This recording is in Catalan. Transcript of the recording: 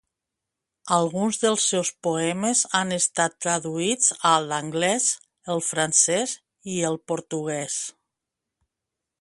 Alguns dels seus poemes han estat traduïts a l'anglès, el francès i el portuguès.